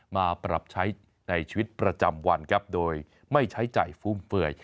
มาปรับใช้ในชีวิตประจำวันครับโดยไม่ใช้จ่ายฟุ่มเฟื่อย